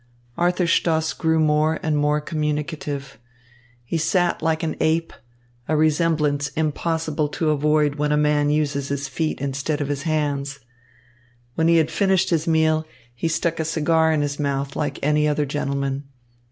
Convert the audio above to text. Arthur Stoss grew more and more communicative. He sat like an ape, a resemblance impossible to avoid when a man uses his feet instead of his hands. When he had finished his meal, he stuck a cigar in his mouth, like any other gentleman.